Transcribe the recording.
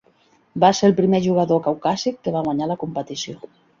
Va ser el primer jugador caucàsic que va guanyar la competició.